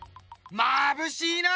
まぶしいな！